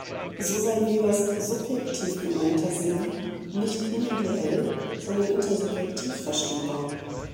So sei Webers „subjektiv gemeinter Sinn“ nicht individuell, sondern intersubjektiv verstehbar.